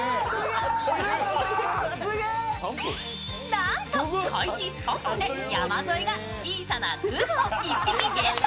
なんと、開始３分で山添が小さなフグを１匹ゲット！